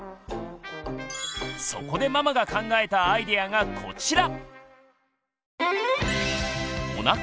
そこでママが考えたアイデアがこちら！